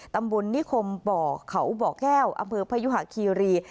ตำบลนิคมบ่อเขาบ่อแก้วอำเภอพยุหะคีรี